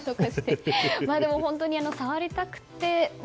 本当に触りたくて。